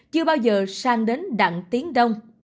chưa bao giờ sang đến đặng tiến đông